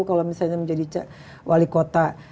kalau misalnya menjadi wali kota